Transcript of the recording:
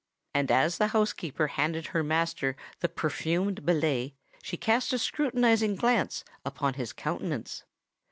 And as the housekeeper handed her master the perfumed billet, she cast a scrutinizing glance upon his countenance.